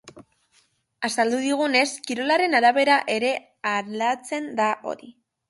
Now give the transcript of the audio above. Azaldu digunez, kirolaren arabera ere aldatzen da hori.